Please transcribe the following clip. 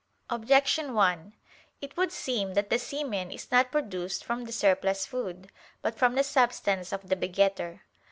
Objection 1: It would seem that the semen is not produced from the surplus food, but from the substance of the begetter.